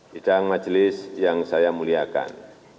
bidang majelis yang saya muliakan